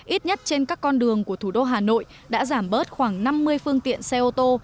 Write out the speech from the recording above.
ít nhất trên các con đường của thủ đô hà nội đã giảm bớt khoảng năm mươi phương tiện xe ô tô